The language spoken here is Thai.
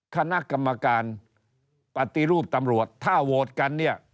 คณะกรรมการปฏิรูปตำรวจถ้าโหวตกันเนี่ย